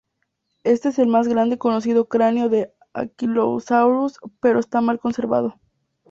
Este es el más grande conocido cráneo de "Ankylosaurus", pero está mal conservado.